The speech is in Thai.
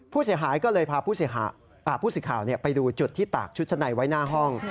ผู้เสียหายก็เลยพาผู้สิทธิ์ข่าวไปดูจุดที่ตากชุดชั้นในไว้หน้าห้อง